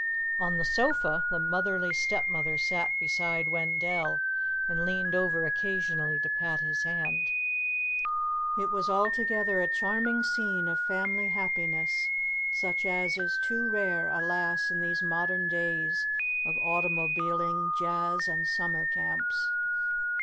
On the sofa, the motherly Stepmother sat beside Wendell and leaned over occasionally to pat his hand. It was altogether a charming scene of family happiness, such as is too rare, alas! in these modern days of automobiling, jazz, and summer camps.